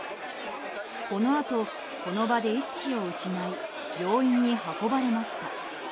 このあと、この場で意識を失い病院に運ばれました。